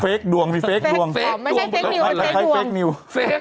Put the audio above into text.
เฟคดวงมีเฟคดวงไม่ใช่เฟคนิวมีเฟคดวง